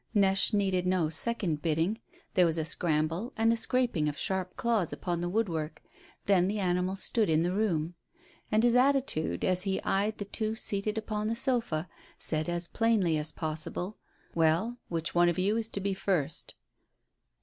Neche needed no second bidding. There was a scramble and a scraping of sharp claws upon the woodwork, then the animal stood in the room. And his attitude as he eyed the two seated upon the sofa said as plainly as possible, "Well, which one is it to be first?"